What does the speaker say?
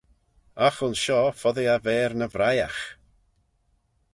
Agh ayns shoh foddee eh v'er ny vriaght.